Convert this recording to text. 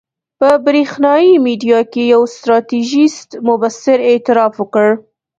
په برېښنایي میډیا کې یو ستراتیژیست مبصر اعتراف وکړ.